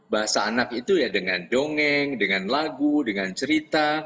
bahasa anak itu ya dengan dongeng dengan lagu dengan cerita